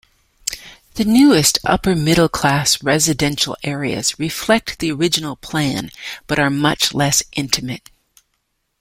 The newest upper-middle-class residential areas reflect the original plan, but are much less intimate.